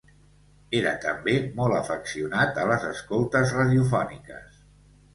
Era també molt afeccionat a les escoltes radiofòniques.